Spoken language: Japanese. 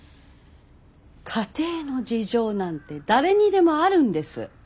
家庭の事情なんて誰にでもあるんです。